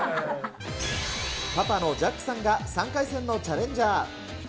パパのジャックさんが３回戦のチャレンジャー。